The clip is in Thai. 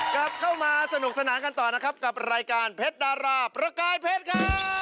กลับเข้ามาสนุกสนานกันต่อนะครับกับรายการเพชรดาราประกายเพชรครับ